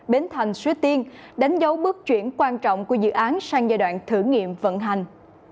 bến thành suối tiên đánh dấu bước chuyển quan trọng của dự án sang giai đoạn thử nghiệm vận hành